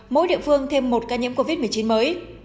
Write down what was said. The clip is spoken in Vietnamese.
mỗi địa phương thêm một ca nhiễm covid một mươi chín mới